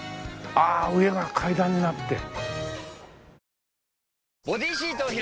ああ上が階段になって。